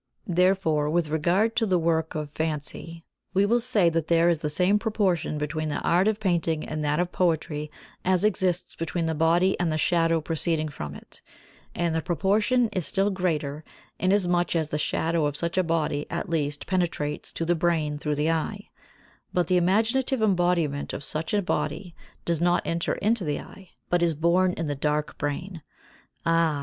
Therefore with regard to the work of fancy we will say that there is the same proportion between the art of painting and that of poetry as exists between the body and the shadow proceeding from it, and the proportion is still greater, inasmuch as the shadow of such a body at least penetrates to the brain through the eye, but the imaginative embodiment of such a body does not enter into the eye, but is born in the dark brain. Ah!